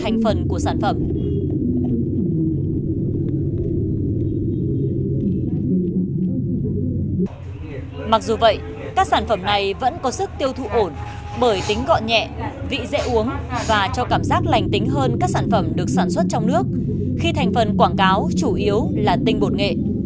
hoặc dù vậy các sản phẩm này vẫn có sức tiêu thụ ổn bởi tính gọn nhẹ vị dễ uống và cho cảm giác lành tính hơn các sản phẩm được sản xuất trong nước khi thành phần quảng cáo chủ yếu là tinh bột nghệ